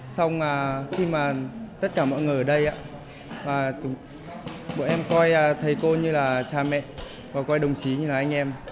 xong khi mà tất cả mọi người ở đây và bọn em coi thầy cô như là cha mẹ và coi đồng chí như là anh em